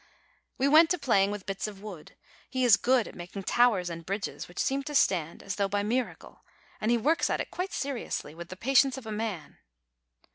We went to playing with bits of wood: he is good at making towers and bridges, which seem to stand as though by a miracle, and he works at it quite seriously, with the patience of a man.